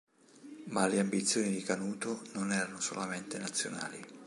Ma le ambizioni di Canuto non erano solamente nazionali.